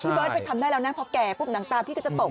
เบิร์ตไปทำได้แล้วนะพอแก่ปุ๊บหนังตาพี่ก็จะตก